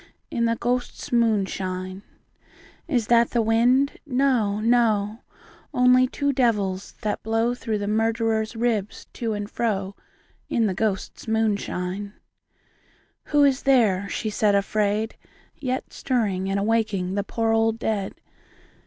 In the ghosts* moonshine. Is that the wind ? No, no ; Only two devils, that blow Through the murderer's ribs to and fro. In the ghosts' moonshine. II. Who is there, she said afraid, yet Stirring and awaking The poor old dead?